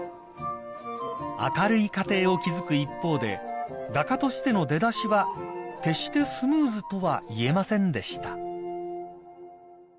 ［明るい家庭を築く一方で画家としての出だしは決してスムーズとはいえませんでした］